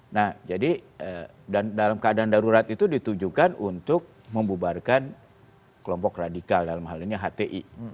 nah jadi dalam keadaan darurat itu ditujukan untuk membubarkan kelompok radikal dalam hal ini hti